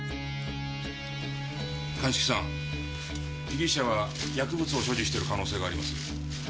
鑑識さん被疑者は薬物を所持してる可能性があります。